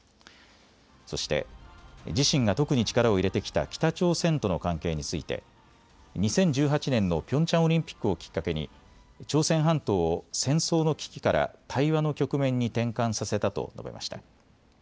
そして自身が特に力を入れてきた北朝鮮との関係について２０１８年のピョンチャンオリンピックをきっかけに朝鮮半島を戦争の危機から対話の局面に転換させたと述べました。